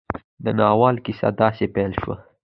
د ناول کيسه داسې پيل شوې